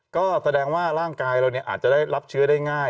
ก็แสดงว่าร่างกายเราอาจจะได้รับเชื้อได้ง่าย